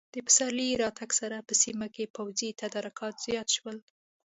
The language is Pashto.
د پسرلي له راتګ سره په سیمه کې پوځي تدارکات زیات شول.